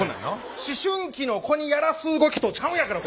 思春期の子にやらす動きとちゃうんやから。